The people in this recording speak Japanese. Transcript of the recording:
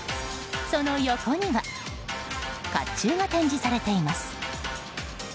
その横には甲冑が展示されています。